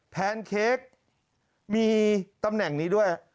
แนนเค้กมีตำแหน่งนี้ด้วย